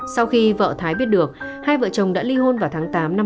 sau khi vợ thái biết được hai vợ chồng đã ly hôn vào tháng tám năm hai nghìn hai mươi